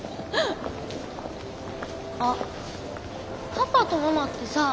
あっパパとママってさ